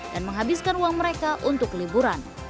dan menghabiskan uang mereka untuk liburan